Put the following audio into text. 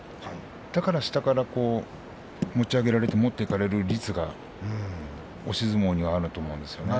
だから下から持ち上げられて持っていかれる率が押し相撲にはあると思うんですよね。